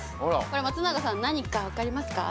これ松永さん何か分かりますか？